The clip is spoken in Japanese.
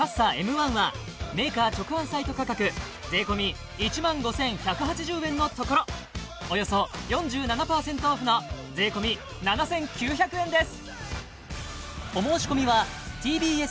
１はメーカー直販サイト価格税込１５１８０円のところおよそ４７％オフの税込７９００円です！